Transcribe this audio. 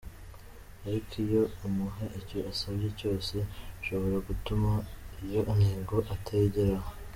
Ariko iyo umuha icyo asabye cyose, bishobora gutuma iyo ntego utayigeraho.